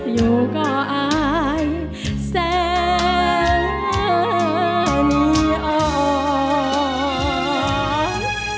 อยู่ก็อายแสงเหนือนี่อ้อน